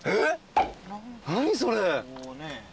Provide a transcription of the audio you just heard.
何それ。